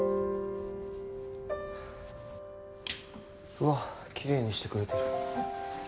うわきれいにしてくれてる。